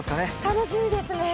楽しみですね。